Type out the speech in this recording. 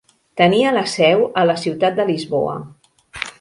Tenia la seu a la ciutat de Lisboa.